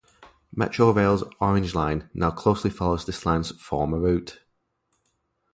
Metrorail's Orange Line now closely follows this line's former route.